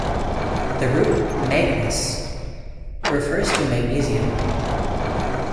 The root 'magnes' refers to magnesium.